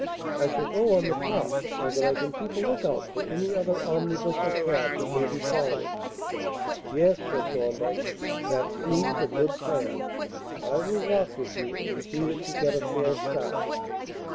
I shall go on the top so that I can keep a look out for any other omnibus or cab that may be following." "Yes," said Thorndyke, "that seems a good plan. I will walk with you and see that you get a fair start."